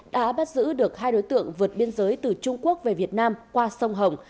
đã bắt giữ được hai đối tượng vượt biên giới từ trung quốc về việt nam qua sông hồng